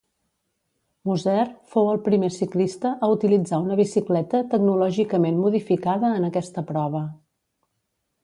Moser fou el primer ciclista a utilitzar una bicicleta tecnològicament modificada en aquesta prova.